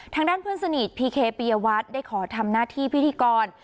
ทางด้านเพื่อนสนิทพีเคปียวัตรได้ขอทำหน้าที่พิธีกร